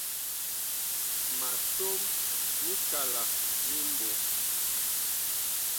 Ma som mikala mi mɓɔŋ.